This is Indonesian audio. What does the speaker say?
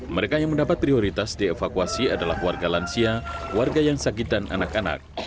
mereka yang mendapat prioritas dievakuasi adalah warga lansia warga yang sakit dan anak anak